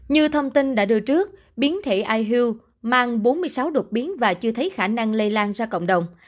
như thông tin đã đưa trước biến thể iuu mang bốn mươi sáu đột biến và chưa thấy khả năng lây lan ra cộng đồng